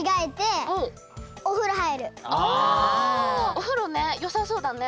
おふろねよさそうだね。